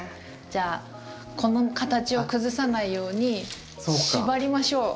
じゃあこの形を崩さないように縛りましょう。